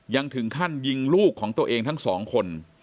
ยังถึงขั้นยิงลูกของตัวเองทั้งสองคน